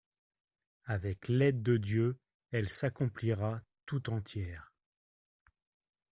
Avec l’aide de Dieu, elle s’accomplira tout entière.